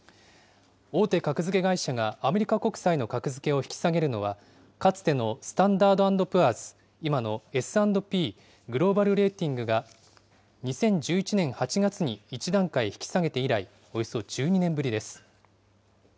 大手格付け会社がアメリカ国債の格付けを引き下げるのは、かつてのスタンダード・アンド・プアーズ、今のＳ＆Ｐグローバル・レーティングが２０１１年８月に１段階引き下げて以来、およそ１２年ぶりです。